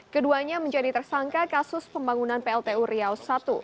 keduanya menjadi tersangka kasus pembangunan pltu riau i